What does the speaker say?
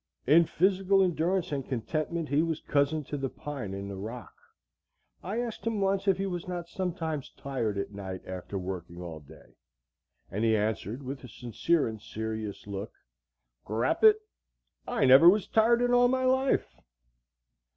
In physical endurance and contentment he was cousin to the pine and the rock. I asked him once if he was not sometimes tired at night, after working all day; and he answered, with a sincere and serious look, "Gorrappit, I never was tired in my life."